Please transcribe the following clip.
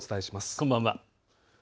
こんばんは。